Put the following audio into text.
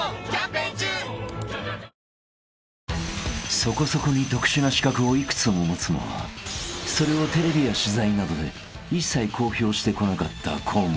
［そこそこに特殊な資格を幾つも持つもそれをテレビや取材などで一切公表してこなかった河本］